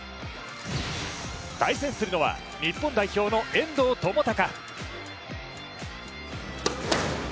対戦するのは日本代表の遠藤共峻。